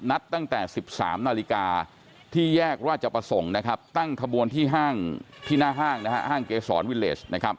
นัดตั้งแต่๑๓นาฬิกาที่แยกรวาดจะประสงค์ตั้งทะบวนที่หน้าห้างเกษรวิเลช